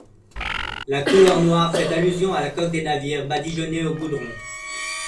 La couleur noire fait allusion à la coque des navires, badigeonnée au goudron.